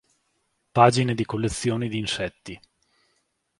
Pagine di collezioni di insetti.